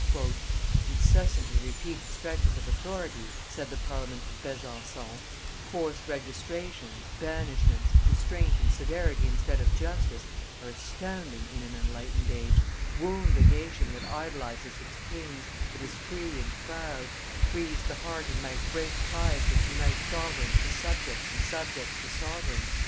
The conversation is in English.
"Incessantly repeated stretches of authority," said the Parliament of Besanccon, "forced registrations, banishments, constraint and severity instead of justice, are astounding in an enlightened age, wound a nation that idolizes its kings, but is free and proud, freeze the heart and might break the ties which unite sovereign to subjects and subjects to sovereign."